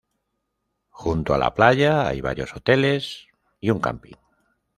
Junto a la playa hay varios hoteles y un camping.